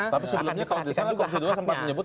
tapi sebelumnya kalau di sana komisi dua sempat menyebut